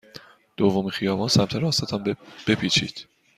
دومین خیابان سمت راست تان بپیچید.